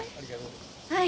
はい。